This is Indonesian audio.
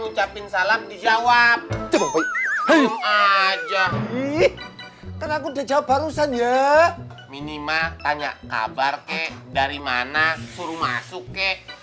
ngucapin salam dijawab aja terang dijawab barusan ya minimal tanya kabar kek dari mana suruh masuk